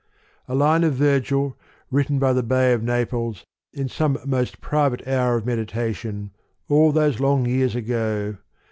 A line of Vir gil, written by the Bay of Naples, in some most private hour of meditation, all those long years ago